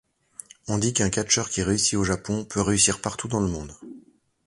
On dit qu'un catcheur qui réussit au Japon, peut réussir partout dans le monde.